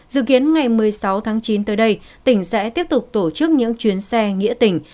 dự kiến ngày một mươi sáu tháng chín tới đây tỉnh sẽ tiếp tục tổ chức những chuyến xe nghĩa tỉnh